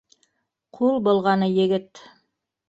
Ҡул болғаны егет: